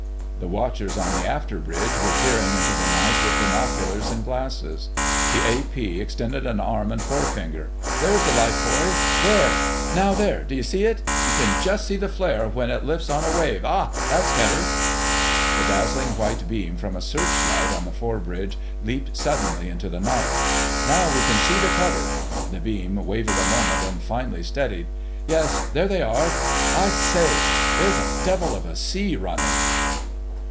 The watchers on the after bridge were peering into the night with binoculars and glasses. The A.P. extended an arm and forefinger: "There's the life buoy—there! ... Now—there! D'you see it? You can just see the flare when it lifts on a wave.... Ah! That's better!" The dazzling white beam from a search light on the fore bridge leaped suddenly into the night. "Now we can see the cutter—" the beam wavered a moment and finally steadied. "Yes, there they are.... I say, there's a devil of a sea running."